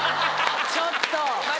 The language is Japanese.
ちょっと！